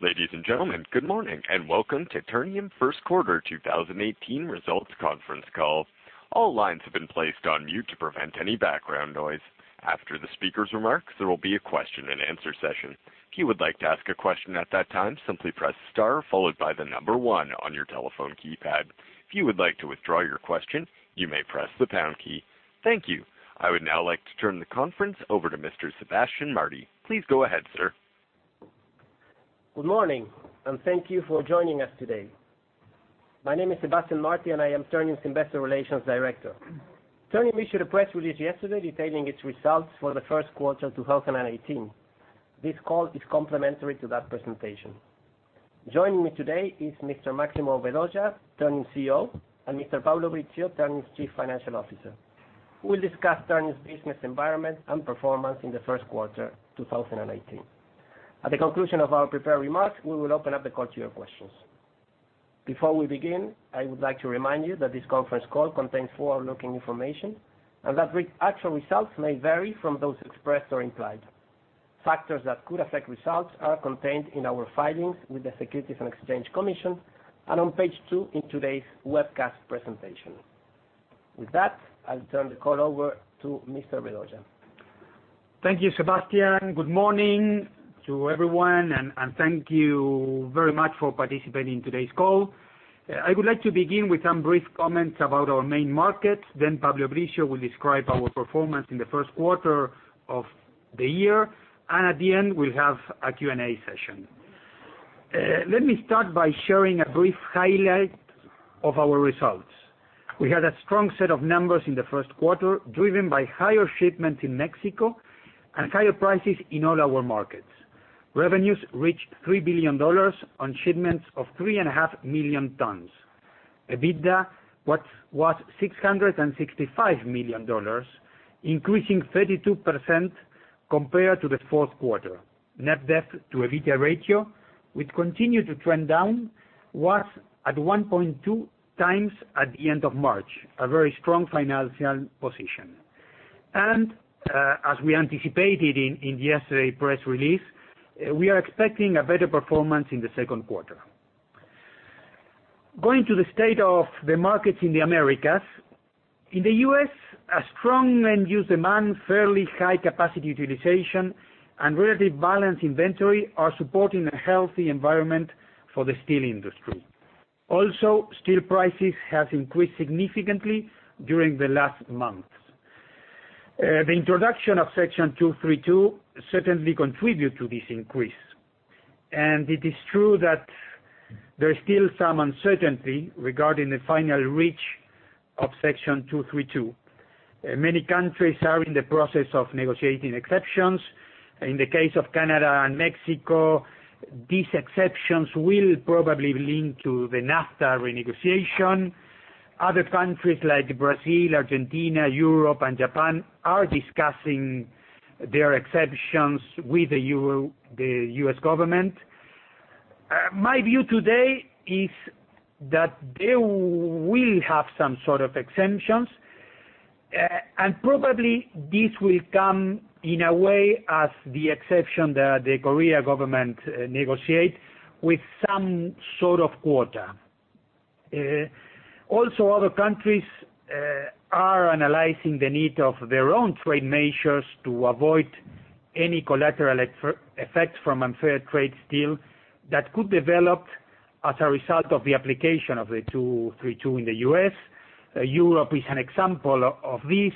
Ladies and gentlemen, good morning, and welcome to Ternium First Quarter 2018 Results Conference Call. All lines have been placed on mute to prevent any background noise. After the speaker's remarks, there will be a question and answer session. If you would like to ask a question at that time, simply press star followed by the number one on your telephone keypad. If you would like to withdraw your question, you may press the pound key. Thank you. I would now like to turn the conference over to Mr. Sebastián Martí. Please go ahead, sir. Good morning. Thank you for joining us today. My name is Sebastián Martí. I am Ternium's Investor Relations Director. Ternium issued a press release yesterday detailing its results for the first quarter of 2018. This call is complementary to that presentation. Joining me today is Mr. Máximo Vedoya, Ternium's CEO, and Mr. Pablo Brizzio, Ternium's Chief Financial Officer, who will discuss Ternium's business environment and performance in the first quarter of 2018. At the conclusion of our prepared remarks, we will open up the call to your questions. Before we begin, I would like to remind you that this conference call contains forward-looking information, and that actual results may vary from those expressed or implied. Factors that could affect results are contained in our filings with the Securities and Exchange Commission and on page two in today's webcast presentation. With that, I'll turn the call over to Mr. Vedoya. Thank you, Sebastian. Good morning to everyone. Thank you very much for participating in today's call. I would like to begin with some brief comments about our main market. Pablo Brizzio will describe our performance in the first quarter of the year. At the end, we'll have a Q&A session. Let me start by sharing a brief highlight of our results. We had a strong set of numbers in the first quarter, driven by higher shipments in Mexico and higher prices in all our markets. Revenues reached $3 billion on shipments of three and a half million tons. EBITDA was $665 million, increasing 32% compared to the fourth quarter. Net debt to EBITDA ratio, which continued to trend down, was at 1.2 times at the end of March, a very strong financial position. As we anticipated in yesterday's press release, we are expecting a better performance in the second quarter. Going to the state of the markets in the Americas. In the U.S., a strong end-use demand, fairly high capacity utilization, and relatively balanced inventory are supporting a healthy environment for the steel industry. Steel prices have increased significantly during the last months. The introduction of Section 232 certainly contributed to this increase, and it is true that there is still some uncertainty regarding the final reach of Section 232. Many countries are in the process of negotiating exceptions. In the case of Canada and Mexico, these exceptions will probably link to the NAFTA renegotiation. Other countries like Brazil, Argentina, Europe, and Japan are discussing their exceptions with the U.S. government. My view today is that they will have some sort of exemptions, probably this will come in a way as the exception that the Korean government negotiate with some sort of quota. Other countries are analyzing the need of their own trade measures to avoid any collateral effects from unfair trade steel that could develop as a result of the application of the 232 in the U.S. Europe is an example of this.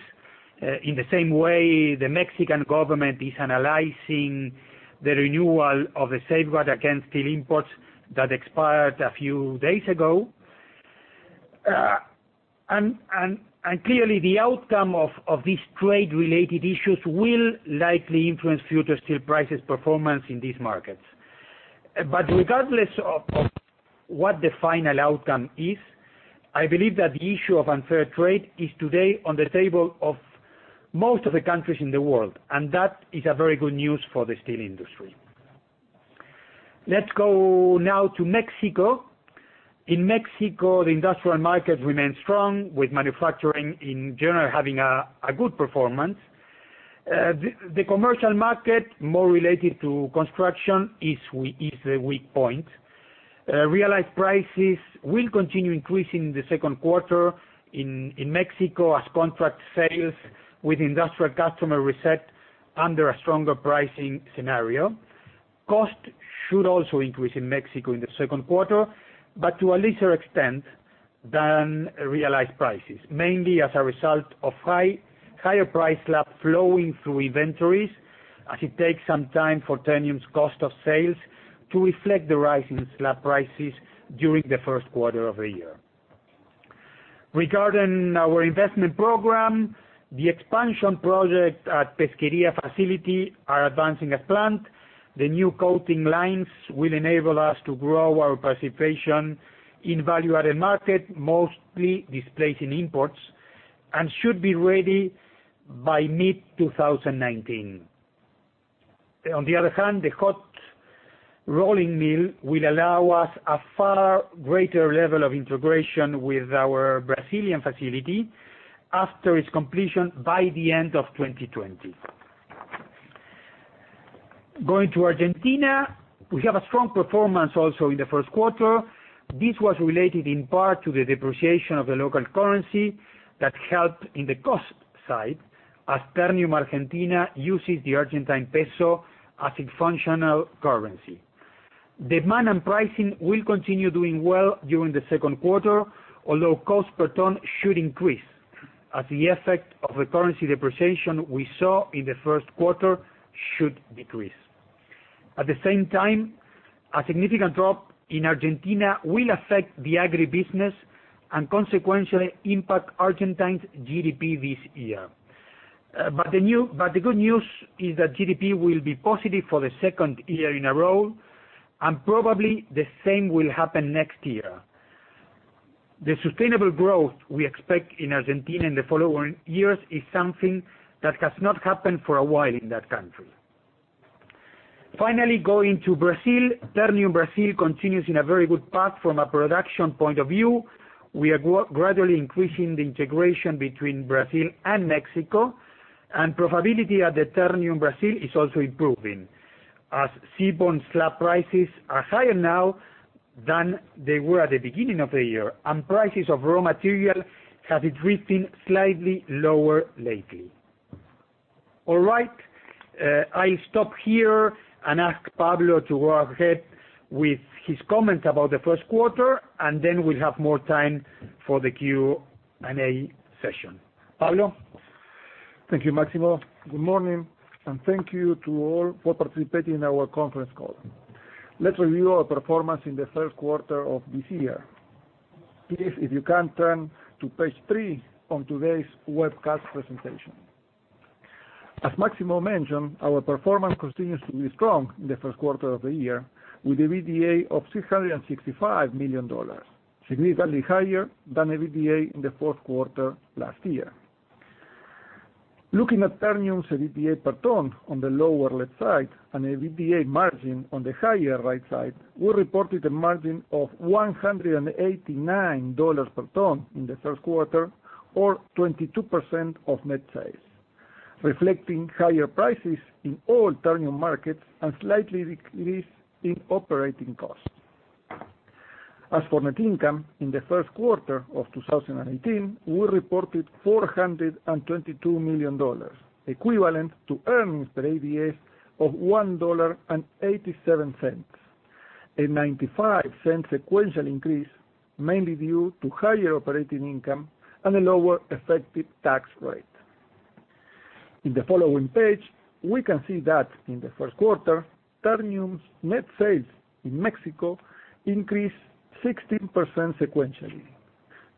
In the same way, the Mexican government is analyzing the renewal of a safeguard against steel imports that expired a few days ago. Clearly, the outcome of these trade-related issues will likely influence future steel prices performance in these markets. Regardless of what the final outcome is, I believe that the issue of unfair trade is today on the table of most of the countries in the world, that is a very good news for the steel industry. Let's go now to Mexico. In Mexico, the industrial market remains strong, with manufacturing in general having a good performance. The commercial market, more related to construction, is the weak point. Realized prices will continue increasing in the second quarter in Mexico as contract sales with industrial customer reset under a stronger pricing scenario. Cost should also increase in Mexico in the second quarter, but to a lesser extent than realized prices, mainly as a result of higher price slab flowing through inventories as it takes some time for Ternium's cost of sales to reflect the rise in slab prices during the first quarter of the year. Regarding our investment program, the expansion project at Pesquería facility are advancing as planned. The new coating lines will enable us to grow our participation in value-added market, mostly displacing imports, should be ready by mid-2019. On the other hand, the hot rolling mill will allow us a far greater level of integration with our Brazilian facility after its completion by the end of 2020. Going to Argentina, we have a strong performance also in the first quarter. This was related in part to the depreciation of the local currency that helped in the cost side, as Ternium Argentina uses the Argentine peso as its functional currency. Demand and pricing will continue doing well during the second quarter, although cost per ton should increase, as the effect of the currency depreciation we saw in the first quarter should decrease. At the same time, a significant drop in Argentina will affect the agri-business and consequently impact Argentine GDP this year. The good news is that GDP will be positive for the second year in a row, and probably the same will happen next year. The sustainable growth we expect in Argentina in the following years is something that has not happened for a while in that country. Finally, going to Brazil, Ternium Brasil continues in a very good path from a production point of view. We are gradually increasing the integration between Brazil and Mexico, and profitability at Ternium Brasil is also improving, as seaborne slab prices are higher now than they were at the beginning of the year, and prices of raw material have drifted slightly lower lately. All right, I stop here and ask Pablo to go ahead with his comments about the first quarter, and then we'll have more time for the Q&A session. Pablo? Thank you, Máximo. Good morning, and thank you to all for participating in our conference call. Let's review our performance in the first quarter of this year. Please, if you can, turn to page three on today's webcast presentation. As Máximo mentioned, our performance continues to be strong in the first quarter of the year with EBITDA of $665 million, significantly higher than EBITDA in the fourth quarter last year. Looking at Ternium's EBITDA per ton on the lower left side and EBITDA margin on the higher right side, we reported a margin of $189 per ton in the first quarter or 22% of net sales, reflecting higher prices in all Ternium markets and slight decrease in operating costs. As for net income in the first quarter of 2018, we reported $422 million, equivalent to earnings per ADS of $1.87. A $0.95 sequential increase, mainly due to higher operating income and a lower effective tax rate. In the following page, we can see that in the first quarter, Ternium's net sales in Mexico increased 16% sequentially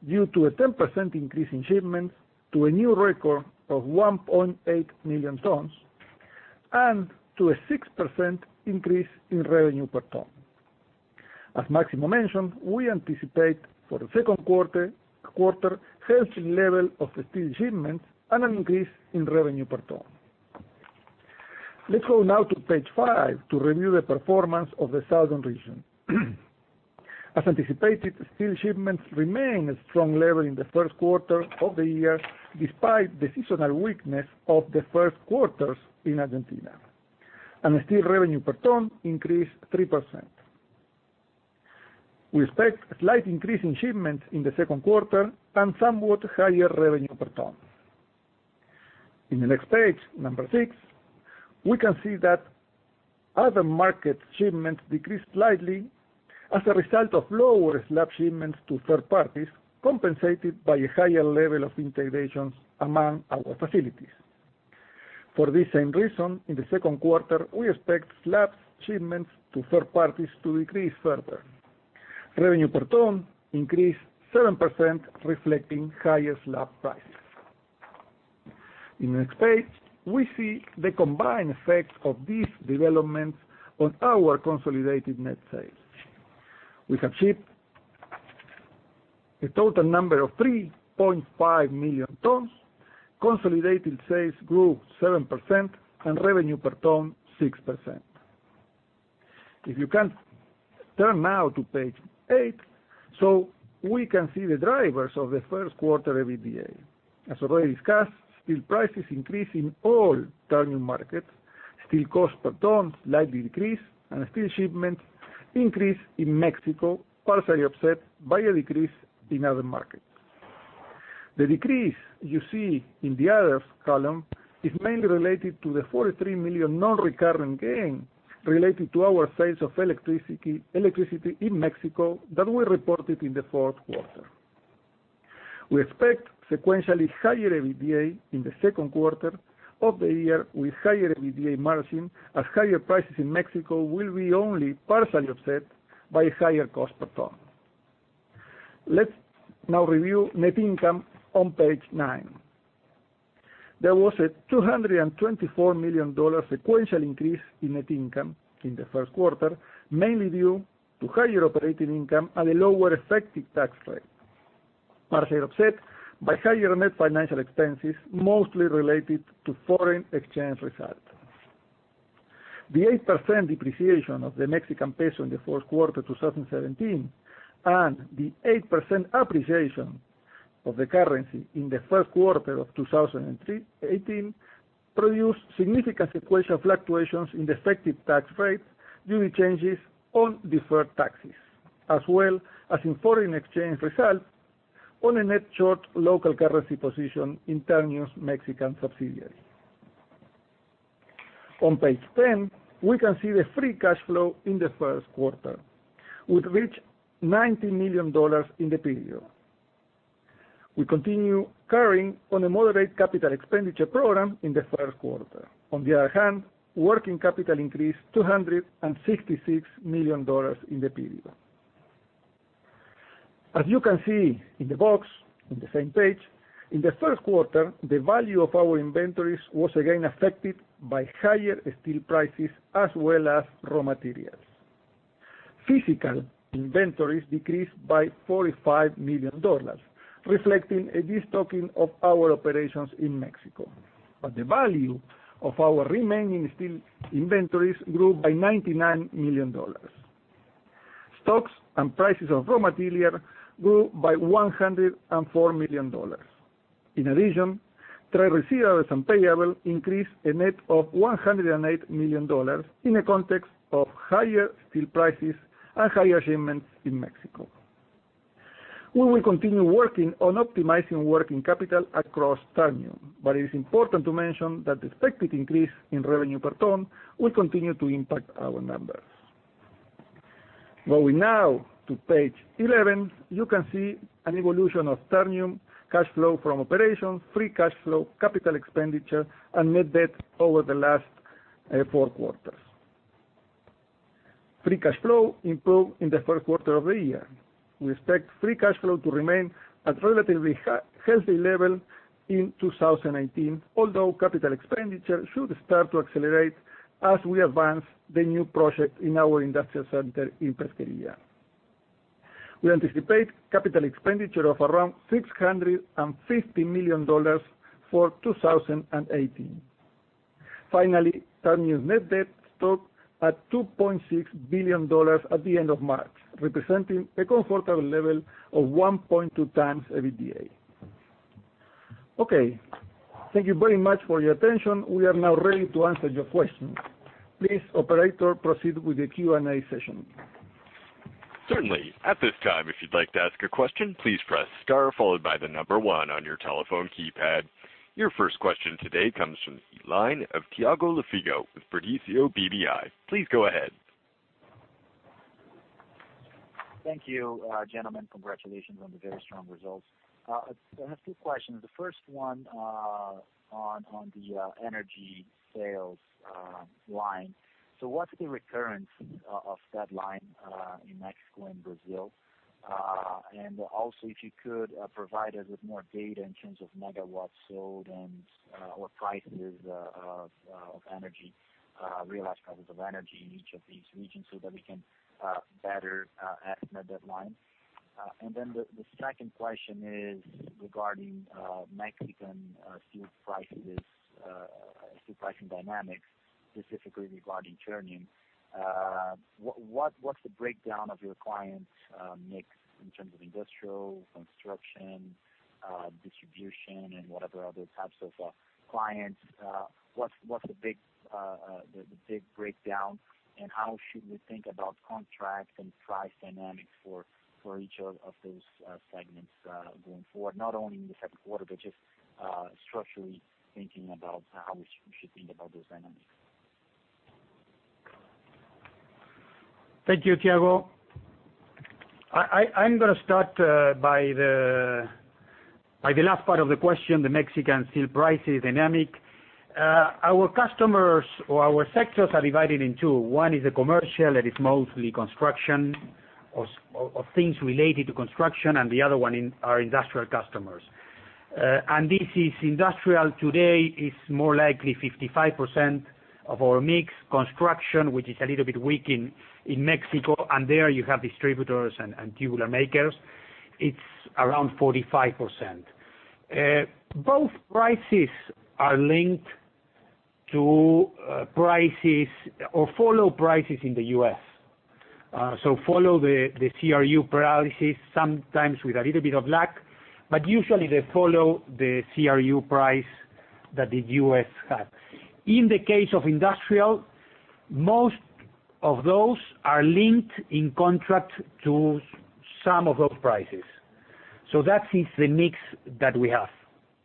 due to a 10% increase in shipments to a new record of 1.8 million tons and to a 6% increase in revenue per ton. As Máximo mentioned, we anticipate for the second quarter, health level of the steel shipments and an increase in revenue per ton. Let's go now to page five to review the performance of the southern region. As anticipated, steel shipments remain at a strong level in the first quarter of the year, despite the seasonal weakness of the first quarters in Argentina. Steel revenue per ton increased 3%. We expect a slight increase in shipments in the second quarter and somewhat higher revenue per ton. In the next page, number six, we can see that other market shipments decreased slightly as a result of lower slab shipments to third parties, compensated by a higher level of integrations among our facilities. For this same reason, in the second quarter, we expect slab shipments to third parties to decrease further. Revenue per ton increased 7%, reflecting higher slab prices. In the next page, we see the combined effect of these developments on our consolidated net sales. We have shipped a total number of 3.5 million tons, consolidated sales grew 7%, and revenue per ton 6%. If you can turn now to page eight so we can see the drivers of the first quarter EBITDA. As already discussed, steel prices increased in all Ternium markets, steel cost per ton slightly decreased, and steel shipments increased in Mexico, partially offset by a decrease in other markets. The decrease you see in the others column is mainly related to the $43 million non-recurrent gain related to our sales of electricity in Mexico that we reported in the fourth quarter. We expect sequentially higher EBITDA in the second quarter of the year with higher EBITDA margin, as higher prices in Mexico will be only partially offset by higher cost per ton. Let's now review net income on page nine. There was a $224 million sequential increase in net income in the first quarter, mainly due to higher operating income and a lower effective tax rate, partially offset by higher net financial expenses, mostly related to foreign exchange results. The 8% depreciation of the Mexican peso in the fourth quarter 2017, and the 8% appreciation of the currency in the first quarter of 2018 produced significant sequential fluctuations in the effective tax rate due to changes on deferred taxes, as well as in foreign exchange results on a net short local currency position in Ternium's Mexican subsidiary. On page 10, we can see the free cash flow in the first quarter, which reached $90 million in the period. We continue carrying on a moderate capital expenditure program in the first quarter. On the other hand, working capital increased $266 million in the period. As you can see in the box on the same page, in the first quarter, the value of our inventories was again affected by higher steel prices as well as raw materials. Physical inventories decreased by $45 million, reflecting a destocking of our operations in Mexico. The value of our remaining steel inventories grew by $99 million. Stocks and prices of raw material grew by $104 million. In addition, trade receivables and payable increased a net of $108 million in a context of higher steel prices and higher shipments in Mexico. It is important to mention that expected increase in revenue per ton will continue to impact our numbers. Going now to page 11, you can see an evolution of Ternium cash flow from operations, free cash flow, capital expenditure, and net debt over the last four quarters. Free cash flow improved in the first quarter of the year. We expect free cash flow to remain at relatively healthy level in 2018, although capital expenditure should start to accelerate as we advance the new project in our industrial center in Pesquería. We anticipate capital expenditure of around $650 million for 2018. Finally, Ternium's net debt stopped at $2.6 billion at the end of March, representing a comfortable level of 1.2 times EBITDA. Okay, thank you very much for your attention. We are now ready to answer your questions. Please, operator, proceed with the Q&A session. Certainly. At this time, if you'd like to ask a question, please press star followed by the number one on your telephone keypad. Your first question today comes from the line of Thiago Lofiego with Bradesco BBI. Please go ahead. Thank you, gentlemen. Congratulations on the very strong results. I have two questions. The first one on the energy sales line. What's the recurrence of that line in Mexico and Brazil? Also if you could provide us with more data in terms of megawatts sold and what prices of energy, realized prices of energy in each of these regions so that we can better estimate that line. The second question is regarding Mexican steel prices, steel pricing dynamics, specifically regarding Ternium. What's the breakdown of your clients mix in terms of industrial, construction, distribution, and whatever other types of clients? What's the big breakdown, and how should we think about contracts and price dynamics for each of those segments going forward? Not only in the second quarter, but just structurally thinking about how we should think about those dynamics. Thank you, Thiago. I'm going to start by the last part of the question, the Mexican steel prices dynamic. Our customers or our sectors are divided in two. One is the commercial, that is mostly construction or things related to construction, the other one are industrial customers. This is industrial today is more likely 55% of our mix. Construction, which is a little bit weak in Mexico, and there you have distributors and tubular makers, it's around 45%. Both prices are linked to prices or follow prices in the U.S. Follow the CRU prices sometimes with a little bit of lag, but usually they follow the CRU price that the U.S. has. In the case of industrial, most of those are linked in contract to some of those prices. That is the mix that we have.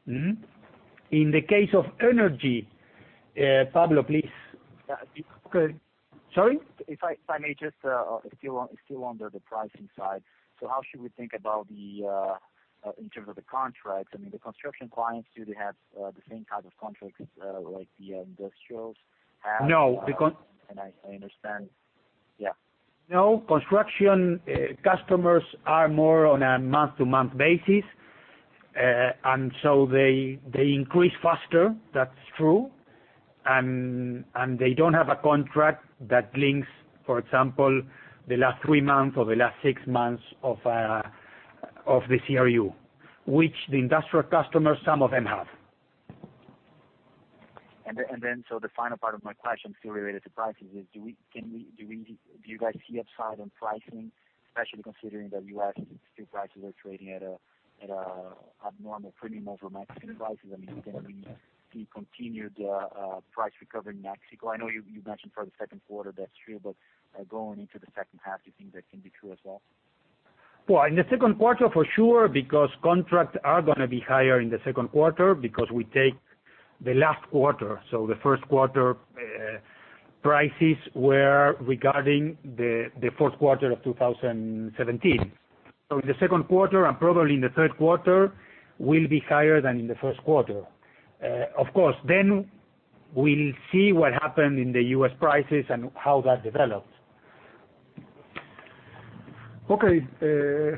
In the case of energy, Pablo, please. Sorry? If I may just, still on the pricing side. How should we think about in terms of the contracts? I mean, the construction clients, do they have the same type of contracts like the industrials have? No. I understand. Yeah. No. Construction customers are more on a month-to-month basis. They increase faster, that's true, and they don't have a contract that links, for example, the last three months or the last six months of Of the CRU, which the industrial customers, some of them have. The final part of my question still related to prices is: Do you guys see upside on pricing, especially considering that U.S. steel prices are trading at an abnormal premium over Mexican prices? I mean, can we see continued price recovery in Mexico? I know you mentioned for the second quarter that's true, but going into the second half, do you think that can be true as well? Well, in the second quarter for sure, because contracts are going to be higher in the second quarter because we take the last quarter. The first quarter prices were regarding the fourth quarter of 2017. The second quarter and probably in the third quarter will be higher than in the first quarter. Of course, we'll see what happened in the U.S. prices and how that develops. Okay.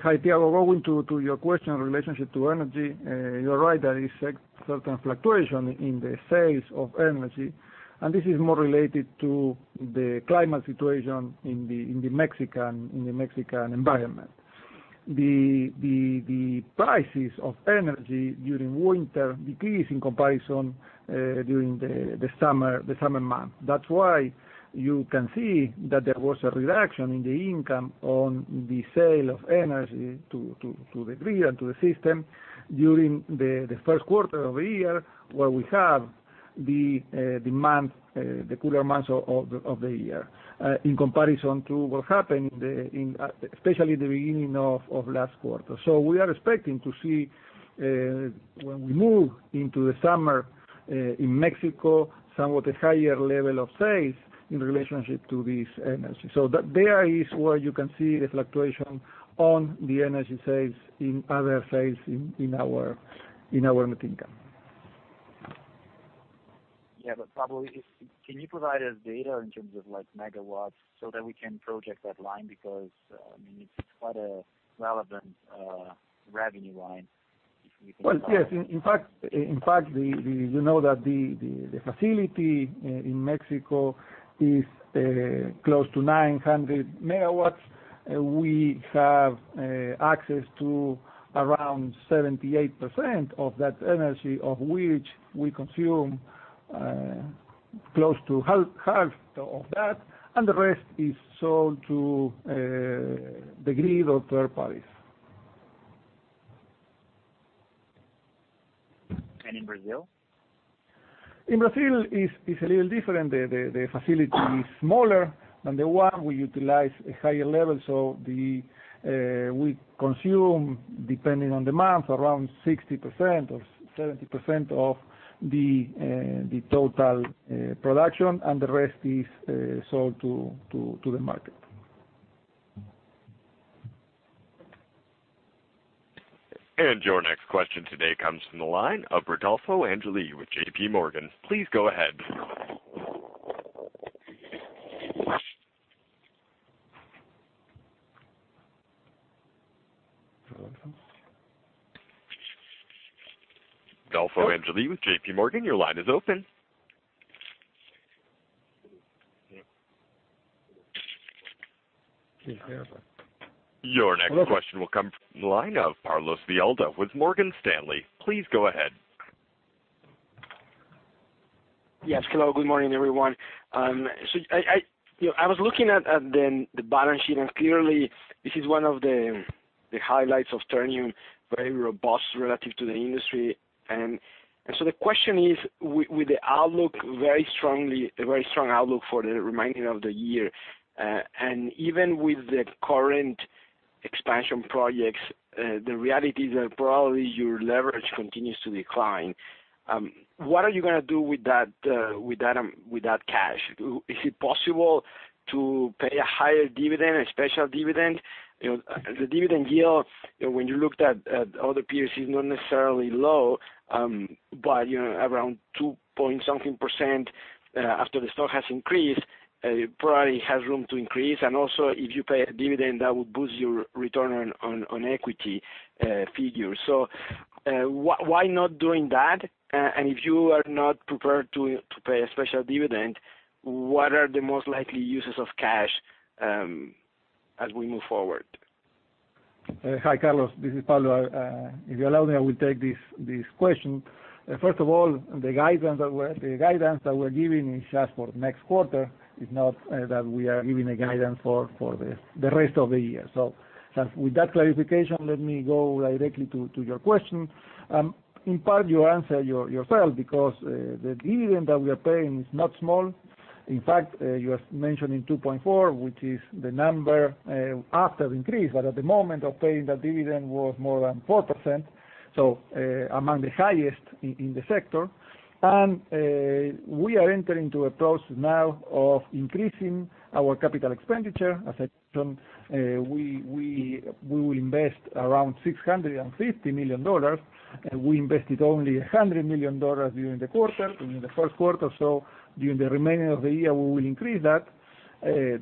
Hi, Pierre. Going to your question in relationship to energy. You're right, there is certain fluctuation in the sales of energy, and this is more related to the climate situation in the Mexican environment. The prices of energy during winter decrease in comparison during the summer months. That's why you can see that there was a reduction in the income on the sale of energy to the grid and to the system during the first quarter of the year, where we have the cooler months of the year, in comparison to what happened in especially the beginning of last quarter. We are expecting to see, when we move into the summer in Mexico, somewhat a higher level of sales in relationship to this energy. There is where you can see the fluctuation on the energy sales in other sales in our net income. Yeah, Pablo, can you provide us data in terms of megawatts so that we can project that line because, I mean, it's quite a relevant revenue line if we can- Well, yes. In fact, you know that the facility in Mexico is close to 900 megawatts. We have access to around 78% of that energy, of which we consume close to half of that, and the rest is sold to the grid or third parties. In Brazil? In Brazil, it's a little different. The facility is smaller than the one we utilize a higher level. We consume, depending on demand, around 60% or 70% of the total production, and the rest is sold to the market. Your next question today comes from the line of Rodolfo Angele with J.P. Morgan. Please go ahead. Rodolfo Angele with J.P. Morgan, your line is open. Can you hear me? Your next question will come from the line of Carlos De Alba with Morgan Stanley. Please go ahead. Yes. Hello. Good morning, everyone. I was looking at the balance sheet. Clearly this is one of the highlights of Ternium, very robust relative to the industry. The question is: With the very strong outlook for the remaining of the year, even with the current expansion projects, the reality is that probably your leverage continues to decline. What are you going to do with that cash? Is it possible to pay a higher dividend, a special dividend? The dividend yield, when you looked at other peers, is not necessarily low. Around two-point-something% after the stock has increased, probably has room to increase. Also, if you pay a dividend, that would boost your return on equity figure. Why not doing that? If you are not prepared to pay a special dividend, what are the most likely uses of cash as we move forward? Hi, Carlos. This is Pablo. If you allow me, I will take this question. First of all, the guidance that we're giving is just for next quarter. It's not that we are giving a guidance for the rest of the year. With that clarification, let me go directly to your question. In part, you answer yourself because the dividend that we are paying is not small. In fact, you have mentioned in 2.4, which is the number after the increase. At the moment of paying that dividend was more than 4%. Among the highest in the sector. We are entering into a process now of increasing our capital expenditure. As I mentioned, we will invest around $650 million. We invested only $100 million during the first quarter. During the remaining of the year, we will increase that.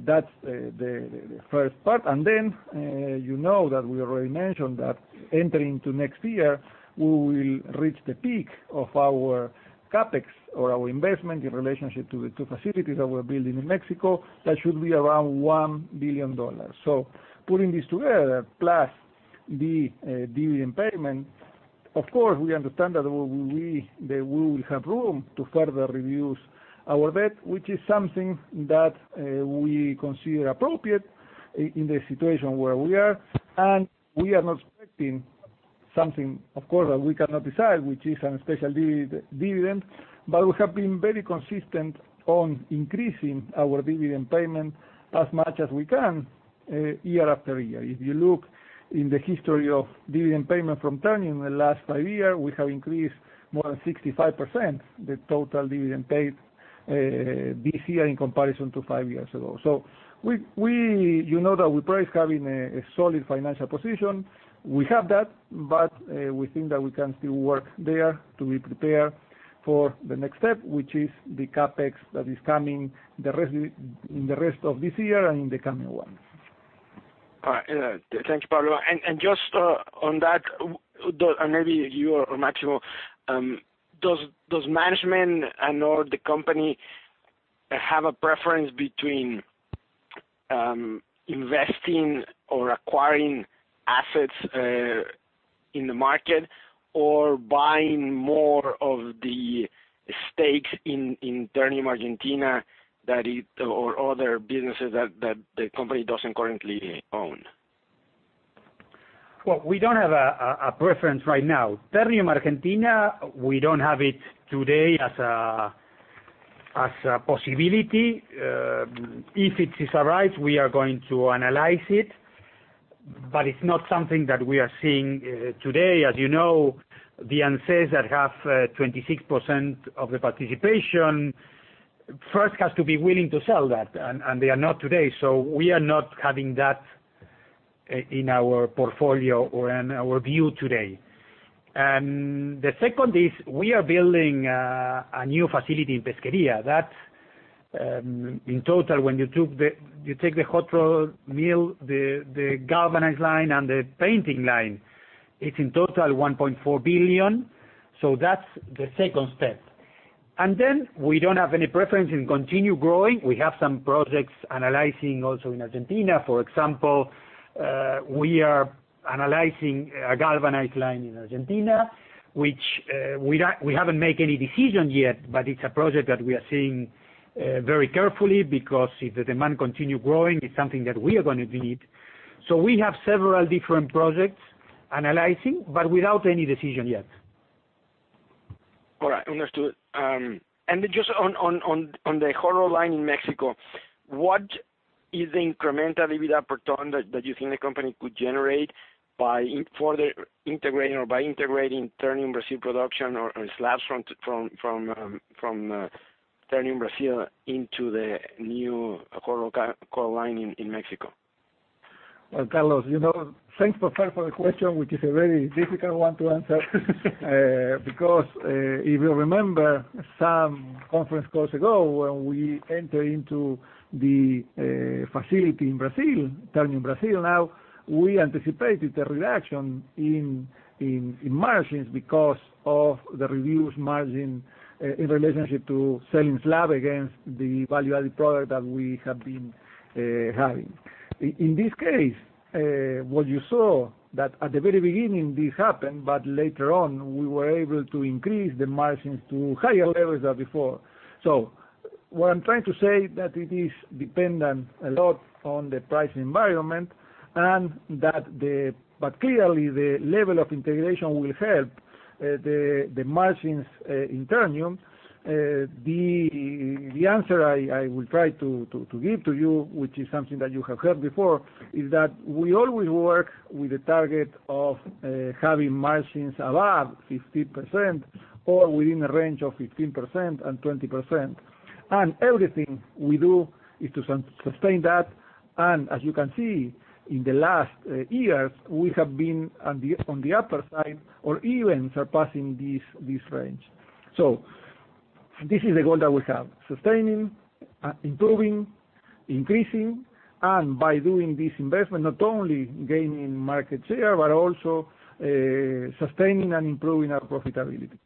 That's the first part. You know that we already mentioned that entering into next year, we will reach the peak of our CapEx or our investment in relationship to facilities that we're building in Mexico. That should be around $1 billion. Putting this together plus the dividend payment Of course, we understand that we will have room to further reduce our debt, which is something that we consider appropriate in the situation where we are. We are not expecting something, of course, that we cannot decide, which is a special dividend. We have been very consistent on increasing our dividend payment as much as we can year after year. If you look in the history of dividend payment from Ternium in the last five years, we have increased more than 65% the total dividend paid this year in comparison to five years ago. You know that we pride having a solid financial position. We have that, but we think that we can still work there to be prepared for the next step, which is the CapEx that is coming in the rest of this year and in the coming one. All right. Thank you, Pablo. Just on that, maybe you or Marcelo, does management and/or the company have a preference between investing or acquiring assets in the market or buying more of the stakes in Ternium Argentina or other businesses that the company doesn't currently own? We don't have a preference right now. Ternium Argentina, we don't have it today as a possibility. If it arrives, we are going to analyze it, but it's not something that we are seeing today. As you know, the entities that have 26% of the participation first have to be willing to sell that, and they are not today. We are not having that in our portfolio or in our view today. The second is we are building a new facility in Pesquería. That in total, when you take the hot-rolled mill, the galvanized line, and the painting line, it's in total $1.4 billion. We don't have any preference in continue growing. We have some projects analyzing also in Argentina, for example we are analyzing a galvanized line in Argentina. We haven't made any decisions yet, but it's a project that we are seeing very carefully because if the demand continue growing, it's something that we are going to need. We have several different projects analyzing, but without any decision yet. All right. Understood. Just on the hot-rolled line in Mexico, what is the incremental EBITDA per ton that you think the company could generate by integrating Ternium Brasil production or slabs from Ternium Brasil into the new hot-rolled coil line in Mexico? Carlos, thanks for the question, which is a very difficult one to answer. If you remember some conference calls ago, when we enter into the facility in Brazil, Ternium Brasil, now we anticipated a reduction in margins because of the reduced margin in relationship to selling slab against the value-added product that we have been having. In this case, what you saw that at the very beginning this happened, but later on, we were able to increase the margins to higher levels than before. What I'm trying to say that it is dependent a lot on the pricing environment, but clearly the level of integration will help the margins in Ternium. The answer I will try to give to you, which is something that you have heard before, is that we always work with the target of having margins above 15% or within a range of 15%-20%. Everything we do is to sustain that. As you can see in the last years, we have been on the upper side or even surpassing this range. This is the goal that we have: sustaining, improving, increasing, and by doing this investment, not only gaining market share, but also sustaining and improving our profitability.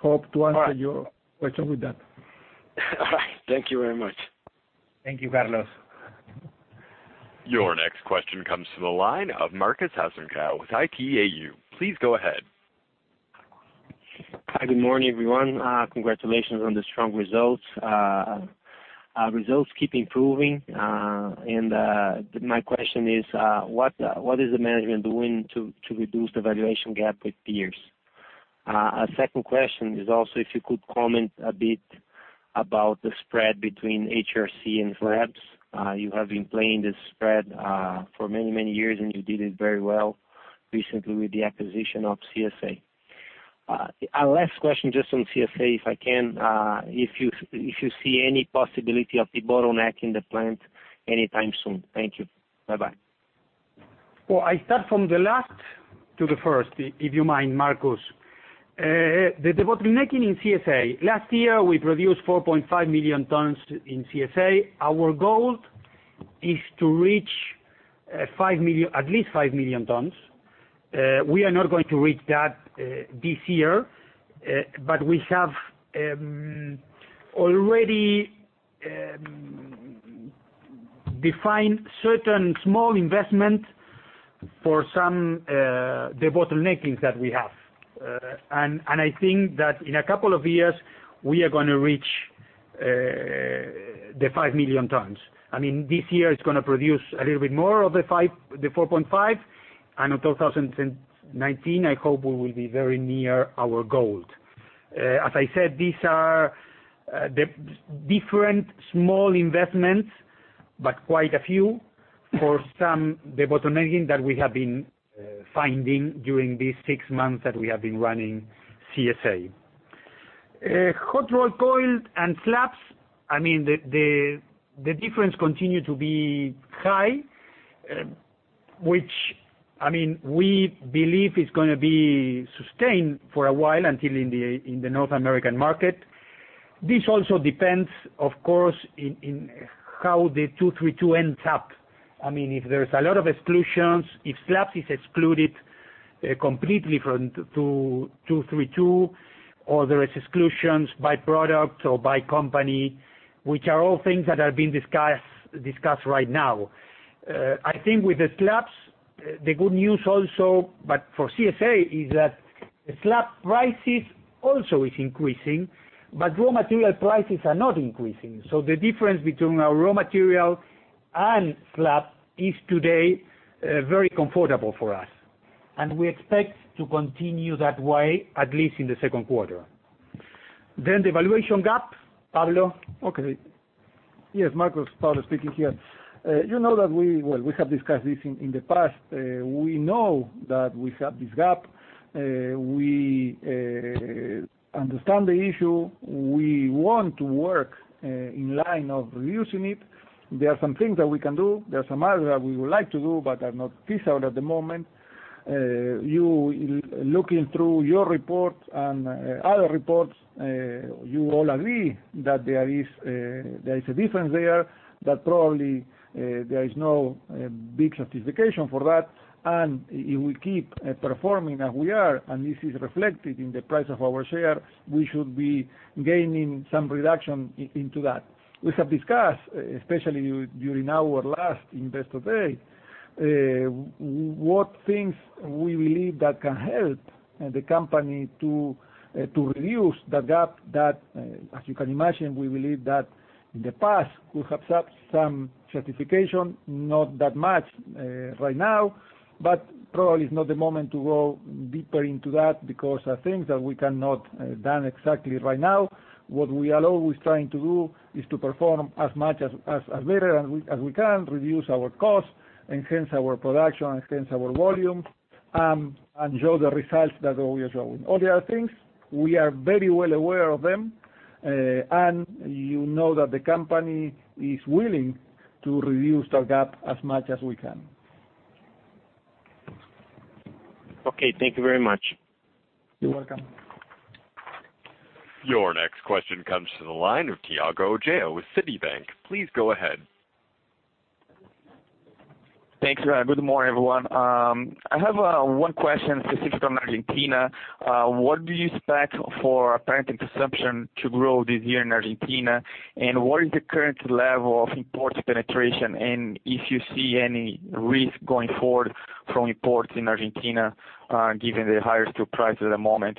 Hope to answer your question with that. All right. Thank you very much. Thank you, Carlos. Your next question comes to the line of Marcos Assumpção with Itaú. Please go ahead. Hi, good morning, everyone. Congratulations on the strong results. Results keep improving. My question is, what is the management doing to reduce the valuation gap with peers? A second question is also if you could comment a bit about the spread between HRC and slabs. You have been playing this spread for many, many years, and you did it very well recently with the acquisition of CSA. A last question just on CSA, if I can. If you see any possibility of debottlenecking the plant anytime soon. Thank you. Bye-bye. I start from the last to the first, if you mind, Marcos. The debottlenecking in CSA. Last year, we produced 4.5 million tons in CSA. Our goal is to reach at least five million tons. We are not going to reach that this year, but we have already Define certain small investment for some, the bottlenecking that we have. I think that in a couple of years, we are going to reach the five million tons. This year it's going to produce a little bit more of the 4.5, and in 2019, I hope we will be very near our goal. As I said, these are the different small investments, but quite a few for some, the bottlenecking that we have been finding during these six months that we have been running CSA. Hot rolled coil and slabs, the difference continue to be high, which we believe is going to be sustained for a while until in the North American market. This also depends, of course, in how the 232 ends up. If there's a lot of exclusions, if slabs is excluded completely from 232, or there is exclusions by product or by company, which are all things that are being discussed right now. I think with the slabs, the good news also, but for CSA, is that the slab prices also is increasing, but raw material prices are not increasing. The difference between our raw material and slab is today very comfortable for us, and we expect to continue that way, at least in the second quarter. The valuation gap, Pablo? Okay. Yes, Marcos. Pablo speaking here. You know that we have discussed this in the past. We know that we have this gap. We understand the issue. We want to work in line of reducing it. There are some things that we can do. There are some others that we would like to do, but are not feasible at the moment. You, looking through your report and other reports, you all agree that there is a difference there, that probably there is no big justification for that. If we keep performing as we are, and this is reflected in the price of our share, we should be gaining some reduction into that. We have discussed, especially during our last investor day, what things we believe that can help the company to reduce the gap that, as you can imagine, we believe that in the past, we have some certification, not that much right now. Probably is not the moment to go deeper into that because are things that we cannot done exactly right now. What we are always trying to do is to perform as much as better as we can, reduce our cost, enhance our production, enhance our volume, and show the results that we are showing. All the other things, we are very well aware of them. You know that the company is willing to reduce the gap as much as we can. Okay. Thank you very much. You're welcome. Your next question comes to the line of Tiago Ojea with Citibank. Please go ahead. Thanks. Good morning, everyone. I have one question specific on Argentina. What do you expect for apparent consumption to grow this year in Argentina, and what is the current level of imports penetration, and if you see any risk going forward from imports in Argentina given the higher steel price at the moment?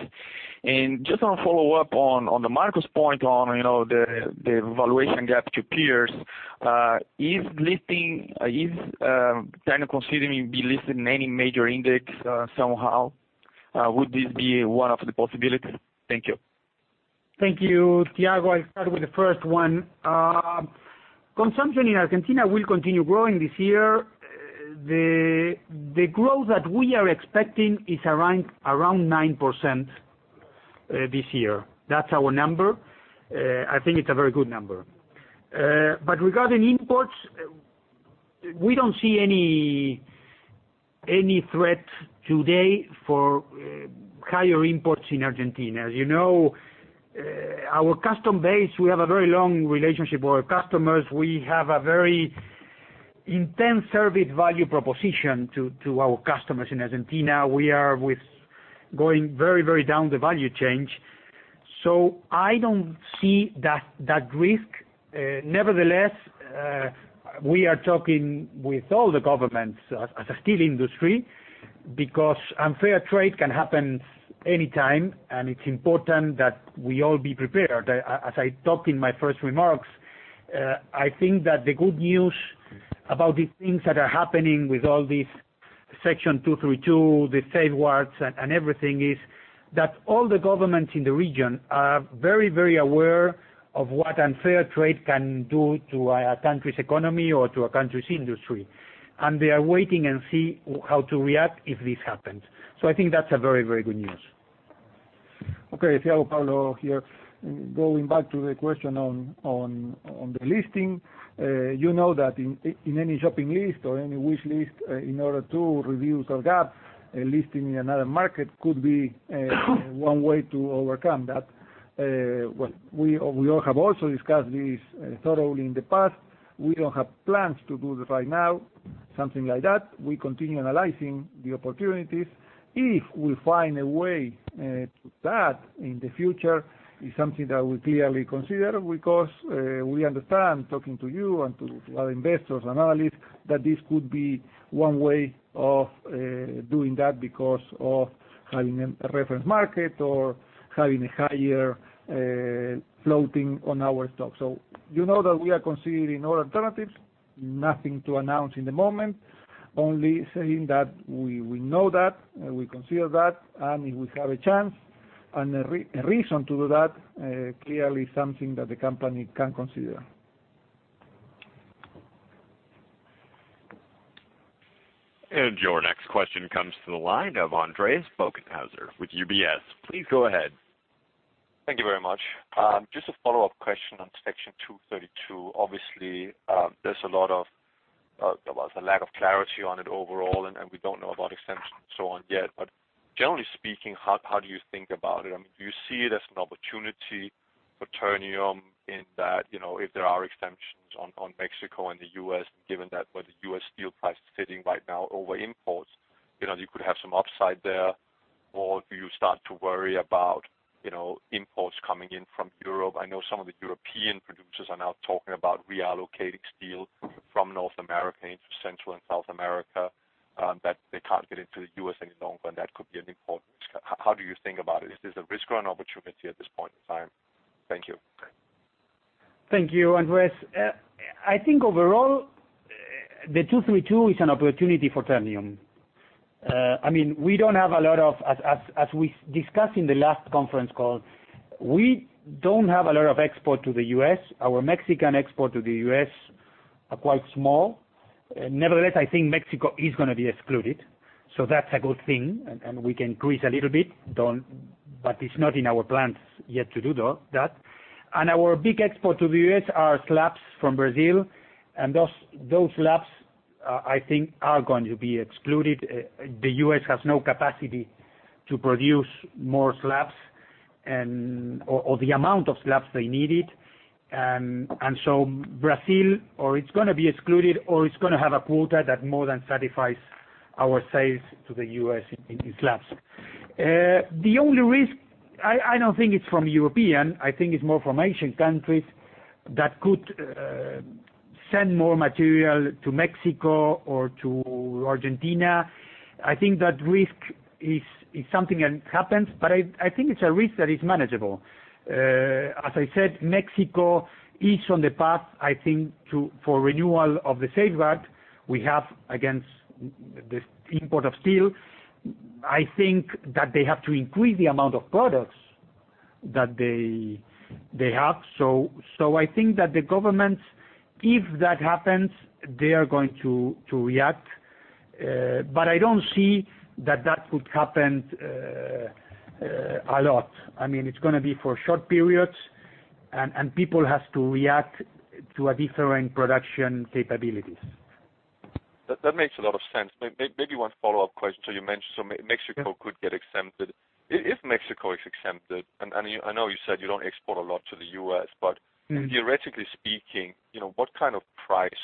Just on a follow-up on the Marcos point on the valuation gap to peers, is Ternium considering be listed in any major index somehow? Would this be one of the possibilities? Thank you. Thank you, Tiago. I'll start with the first one. Consumption in Argentina will continue growing this year. The growth that we are expecting is around 9% this year. That's our number. I think it's a very good number. Regarding imports, we don't see any threat today for higher imports in Argentina. As you know, our custom base, we have a very long relationship with our customers. We have a very intense service value proposition to our customers in Argentina. We are with going very down the value chain. I don't see that risk. Nevertheless, we are talking with all the governments as a steel industry because unfair trade can happen anytime, and it's important that we all be prepared. As I talked in my first remarks, I think that the good news about the things that are happening with all this Section 232, the safeguards and everything is that all the governments in the region are very aware of what unfair trade can do to a country's economy or to a country's industry. They are waiting and see how to react if this happens. I think that's a very good news. Okay. Tiago, Pablo here. Going back to the question on the listing, you know that in any shopping list or any wish list, in order to reduce our gap, listing in another market could be one way to overcome that. We all have also discussed this thoroughly in the past. We don't have plans to do that right now. Something like that. We continue analyzing the opportunities. If we find a way to do that in the future, it's something that we clearly consider because we understand, talking to you and to other investors, analysts, that this could be one way of doing that because of having a reference market or having a higher floating on our stock. You know that we are considering all alternatives. Nothing to announce in the moment, only saying that we know that, we consider that. If we have a chance and a reason to do that, clearly something that the company can consider. Your next question comes to the line of Andreas Bokkenheuser with UBS. Please go ahead. Thank you very much. Just a follow-up question on Section 232. Obviously, there's a lack of clarity on it overall. We don't know about extensions and so on yet. Generally speaking, how do you think about it? I mean, do you see it as an opportunity for Ternium in that if there are extensions on Mexico and the U.S., given that where the U.S. steel price is sitting right now over imports, you could have some upside there? Or do you start to worry about imports coming in from Europe? I know some of the European producers are now talking about reallocating steel from North America into Central and South America, that they can't get into the U.S. any longer, and that could be an important risk. How do you think about it? Is this a risk or an opportunity at this point in time? Thank you. Thank you, Andreas. I think overall, the 232 is an opportunity for Ternium. As we discussed in the last conference call, we don't have a lot of export to the U.S. Our Mexican export to the U.S. are quite small. Nevertheless, I think Mexico is going to be excluded, so that's a good thing, and we can increase a little bit, but it's not in our plans yet to do that. Our big export to the U.S. are slabs from Brazil, and those slabs, I think, are going to be excluded. The U.S. has no capacity to produce more slabs or the amount of slabs they needed. So Brazil, or it's going to be excluded, or it's going to have a quota that more than satisfies our sales to the U.S. in slabs. The only risk, I don't think it's from European, I think it's more from Asian countries that could send more material to Mexico or to Argentina. I think that risk is something that happens, but I think it's a risk that is manageable. As I said, Mexico is on the path, I think, for renewal of the safeguard we have against this import of steel. I think that they have to increase the amount of products that they have. I think that the government, if that happens, they are going to react. I don't see that that could happen a lot. I mean, it's going to be for short periods, and people have to react to different production capabilities. That makes a lot of sense. Maybe one follow-up question. You mentioned Mexico could get exempted. If Mexico is exempted, and I know you said you don't export a lot to the U.S., but theoretically speaking, what kind of price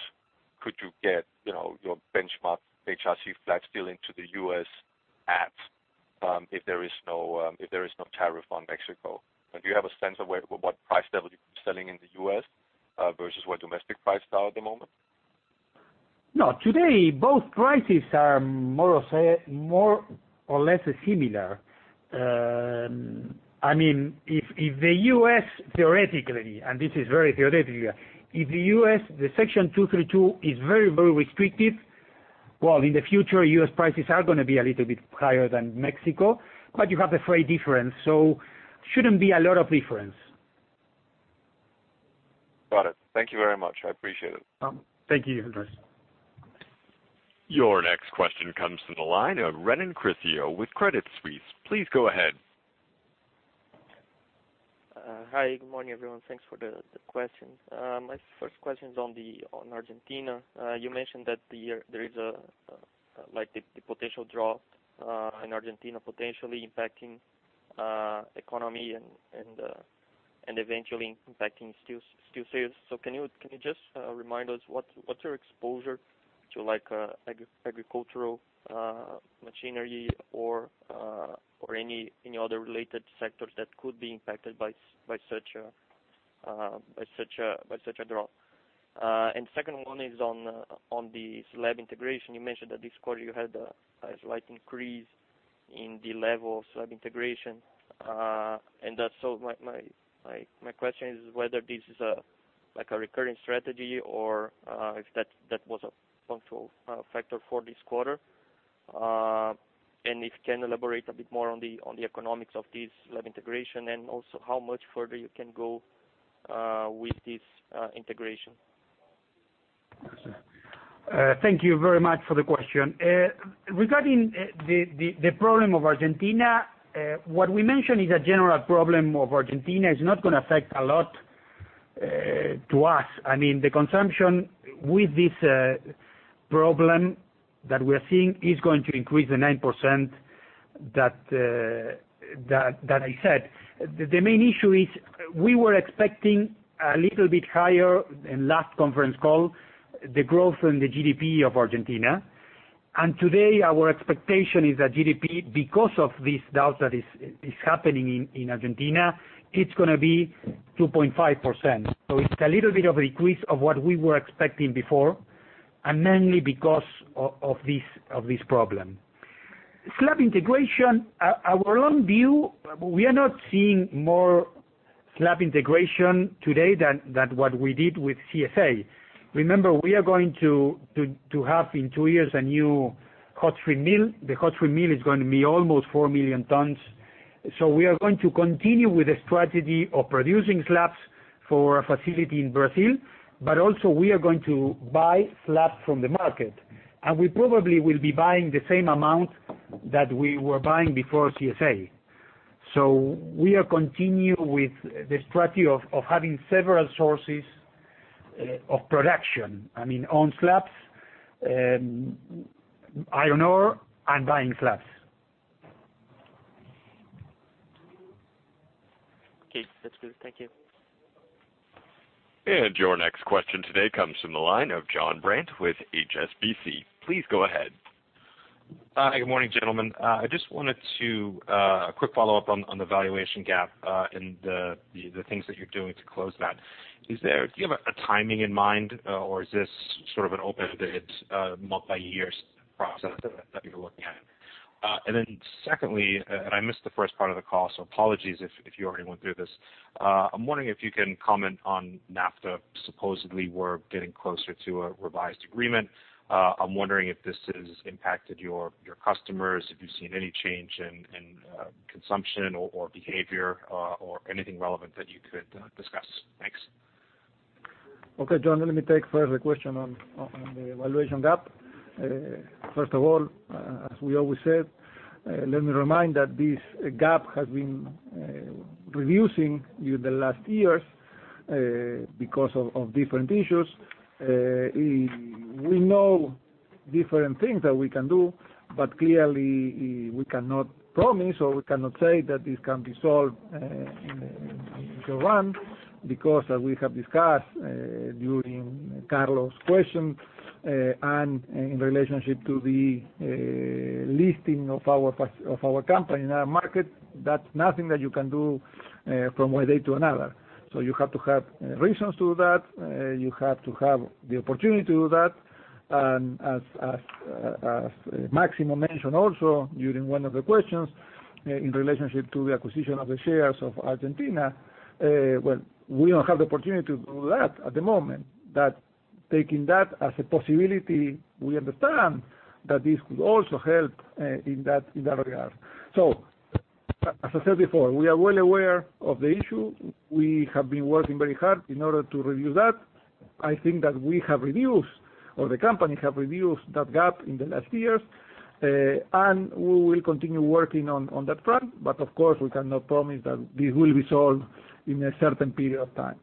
could you get your benchmark HRC flat steel into the U.S. at if there is no tariff on Mexico? Do you have a sense of what price level you'd be selling in the U.S. versus what domestic prices are at the moment? No. Today, both prices are more or less similar. If the U.S., theoretically, and this is very theoretically, if the U.S., the Section 232 is very restrictive, well, in the future, U.S. prices are going to be a little bit higher than Mexico, but you have the freight difference, so shouldn't be a lot of difference. Got it. Thank you very much. I appreciate it. Thank you, Andreas. Your next question comes to the line of Renan Criscio with Credit Suisse. Please go ahead. Hi. Good morning, everyone. Thanks for the questions. My first question is on Argentina. You mentioned that there is the potential drought in Argentina potentially impacting economy and eventually impacting steel sales. Can you just remind us what's your exposure to agricultural machinery or any other related sectors that could be impacted by such a drought? Second one is on the slab integration. You mentioned that this quarter you had a slight increase in the level of slab integration. My question is whether this is a recurring strategy or if that was a punctual factor for this quarter. If you can elaborate a bit more on the economics of this slab integration, and also how much further you can go with this integration. Thank you very much for the question. Regarding the problem of Argentina, what we mentioned is a general problem of Argentina. It's not going to affect a lot to us. I mean, the consumption with this problem that we are seeing is going to increase the 9%. That I said. The main issue is we were expecting a little bit higher in last conference call, the growth in the GDP of Argentina. Today our expectation is that GDP, because of this drought that is happening in Argentina, it's going to be 2.5%. It's a little bit of a decrease of what we were expecting before, and mainly because of this problem. Slab integration, our own view, we are not seeing more slab integration today than what we did with CSA. Remember, we are going to have in two years a new hot strip mill. The hot strip mill is going to be almost 4 million tons. We are going to continue with the strategy of producing slabs for our facility in Brazil, but also we are going to buy slabs from the market, and we probably will be buying the same amount that we were buying before CSA. We continue with the strategy of having several sources of production. I mean, own slabs, iron ore, and buying slabs. Okay. That's good. Thank you. Your next question today comes from the line of Jonathan Brandt with HSBC. Please go ahead. Hi. Good morning, gentlemen. I just wanted to quick follow up on the valuation gap, and the things that you're doing to close that. Do you have a timing in mind or is this sort of an open-ended, multi-year process that you're looking at? Secondly, I missed the first part of the call, so apologies if you already went through this. I'm wondering if you can comment on NAFTA supposedly we're getting closer to a revised agreement. I'm wondering if this has impacted your customers, if you've seen any change in consumption or behavior, or anything relevant that you could discuss. Thanks. Okay, Jonathan, let me take first the question on the valuation gap. First of all, as we always said, let me remind that this gap has been reducing through the last years because of different issues. We know different things that we can do, clearly we cannot promise or we cannot say that this can be solved in the short run because as we have discussed during Carlos' question, and in relationship to the listing of our company in our market, that is nothing that you can do from one day to another. You have to have reasons to do that. You have to have the opportunity to do that. As Máximo mentioned also during one of the questions in relationship to the acquisition of the shares of Argentina, well, we don't have the opportunity to do that at the moment. Taking that as a possibility, we understand that this could also help in that regard. As I said before, we are well aware of the issue. We have been working very hard in order to review that. I think that we have reduced or the company has reduced that gap in the last years. We will continue working on that front. Of course, we cannot promise that this will be solved in a certain period of time.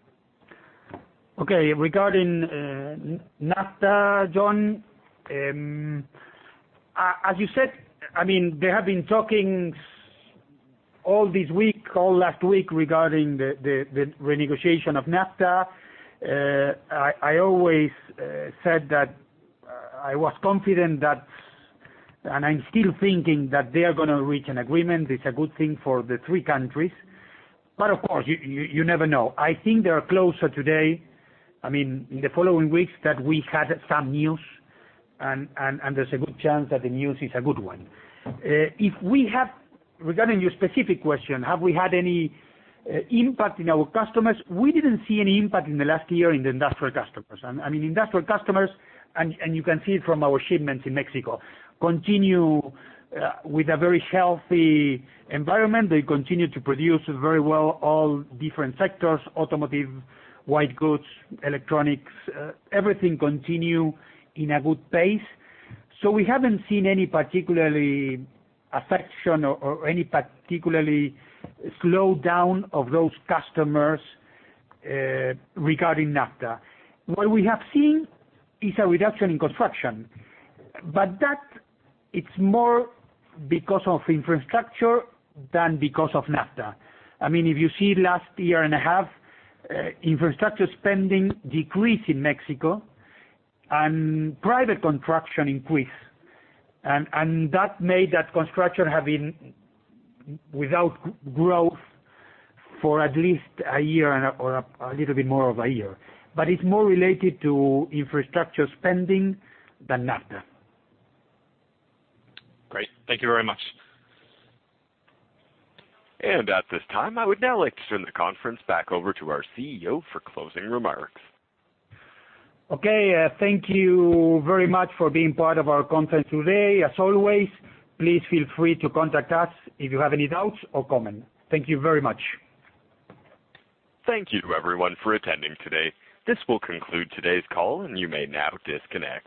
Okay. Regarding NAFTA, Jonathan, as you said, they have been talking all this week, all last week regarding the renegotiation of NAFTA. I always said that I was confident that I am still thinking that they are going to reach an agreement. It is a good thing for the three countries. Of course, you never know. I think they are closer today, in the following weeks that we had some news, there is a good chance that the news is a good one. Regarding your specific question, have we had any impact in our customers? We did not see any impact in the last year in the industrial customers. I mean, industrial customers, you can see it from our shipments in Mexico, continue with a very healthy environment. They continue to produce very well, all different sectors, automotive, white goods, electronics, everything continues in a good pace. We haven't seen any particular affection or any particularly slowdown of those customers regarding NAFTA. What we have seen is a reduction in construction, but that it's more because of infrastructure than because of NAFTA. If you see last year and a half, infrastructure spending decreased in Mexico and private construction increased, and that made that construction have been without growth for at least a year or a little bit more than a year. It's more related to infrastructure spending than NAFTA. Great. Thank you very much. At this time, I would now like to turn the conference back over to our CEO for closing remarks. Thank you very much for being part of our conference today. As always, please feel free to contact us if you have any doubts or comments. Thank you very much. Thank you to everyone for attending today. This will conclude today's call. You may now disconnect.